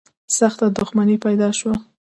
سخته دښمني پیدا شوه